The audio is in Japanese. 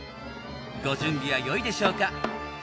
ご準備は良いでしょうか？